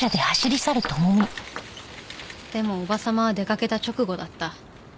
でも叔母様は出かけた直後だった。